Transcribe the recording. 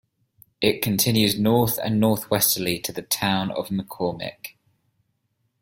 It continues north and northwesterly to the town of McCormick.